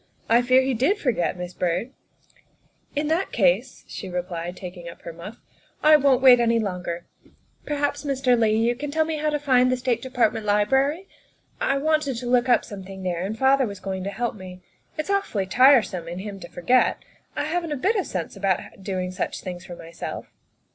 I fear he did forget, Miss Byrd." " In that case," she replied, taking up her muff, " I 72 THE WIFE OF won't wait any longer. Perhaps, Mr. Leigh, you can tell me how to find the State Department Library. I wanted to look up something there, and father was going to help me. It's awfully tiresome in him to forget. I haven't a bit of sense about doing such things for myself.